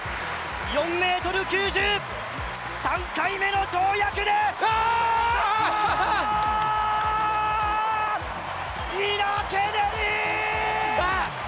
４ｍ９０、３回目の跳躍でニナ・ケネディ！